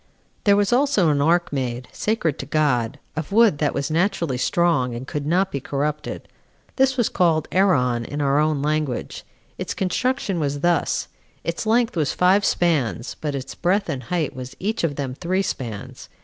5. There was also an ark made, sacred to God, of wood that was naturally strong, and could not be corrupted. This was called Eron in our own language. Its construction was thus: its length was five spans, but its breadth and height was each of them three spans.